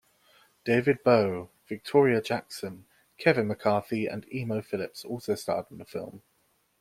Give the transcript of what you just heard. David Bowe, Victoria Jackson, Kevin McCarthy, and Emo Philips also starred in the film.